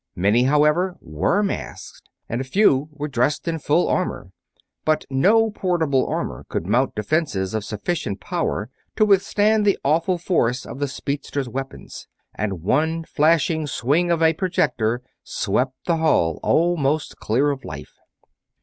Many, however, were masked, and a few were dressed in full armor. But no portable armor could mount defenses of sufficient power to withstand the awful force of the speedster's weapons, and one flashing swing of a projector swept the hall almost clear of life.